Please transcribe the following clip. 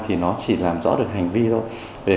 thì nó chỉ làm rõ được hành vi thôi